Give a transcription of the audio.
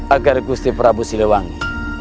agar gusti prabu siliwangi